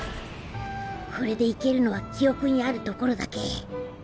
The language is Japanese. これで行けるのは記憶にある所だけ。